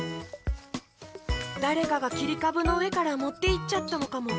だれかがきりかぶのうえからもっていっちゃったのかも。